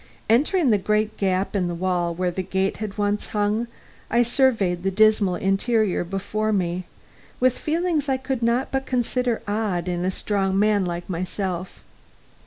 Entering the great gap in the wall where a gate had once hung, I surveyed the dismal interior before me, with feelings I could not but consider odd in a strong man like myself.